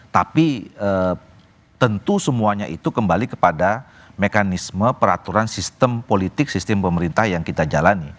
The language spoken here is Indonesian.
tapi tentu semuanya itu kembali kepada mekanisme peraturan sistem politik sistem pemerintah yang kita jalani